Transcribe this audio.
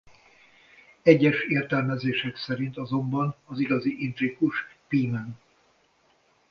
Egyes értelmezések szerint azonban az igazi intrikus Pimen.